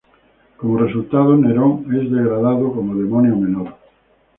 Como resultado, Neron es degradado como demonio menor.